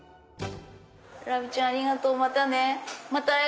ラビちゃんありがとうまたね！